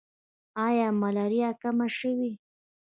آیا ملاریا کمه شوې؟